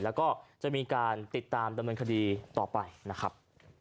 แล้วก็จะมีการติดตามดำเนินคดีต่อไปนะครับ